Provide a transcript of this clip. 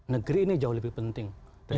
negeri ini jauh lebih penting